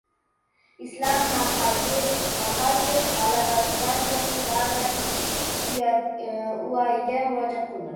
Islam Maxachev g‘alabasidan so‘ng Dana Uaytga murojaat qildi